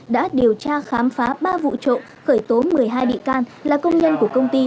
đã điều tra khám phá ba vụ trộm khởi tố một mươi hai bị can là công nhân của công ty